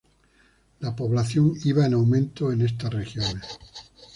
La población iba con aumento en estas regiones.